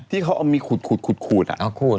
ที่เขาเอามีขูดน่ะ